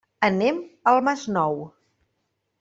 Anem al Masnou.